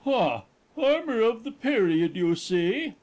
Ha! armour of the period, you see!